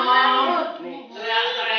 gak mungkin suka yang begini